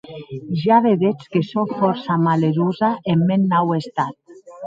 Ja vedetz que sò fòrça malerosa en mèn nau estat.